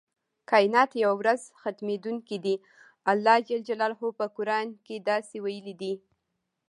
کائنات یوه ورځ ختمیدونکي دي الله ج په قران کې داسې ویلي دی.